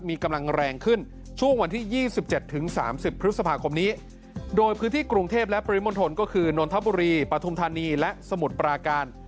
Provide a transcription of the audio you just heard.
มีกำลังแรงขึ้นช่วงวันที่๒๗๓๐พฤษภาคมนี้โดยพื้นที่กรุงเทพและปริมณฑลก็คือนนทบุรีปฐุมธานีและสมุทรปราการ